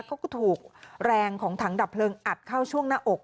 เขาก็ถูกแรงของถังดับเพลิงอัดเข้าช่วงหน้าอก